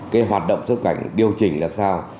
cái hoạt động xuất cảnh điều chỉnh là sao